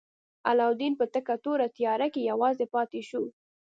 علاوالدین په تکه توره تیاره کې یوازې پاتې شو.